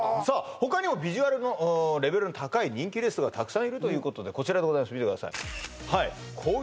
他にもビジュアルのレベルの高い人気レスラーがたくさんいるということでこちらでございます見てください